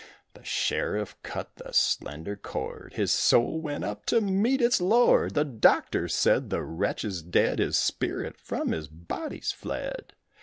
The sheriff cut the slender cord, His soul went up to meet its Lord; The doctor said, "The wretch is dead, His spirit from his body's fled."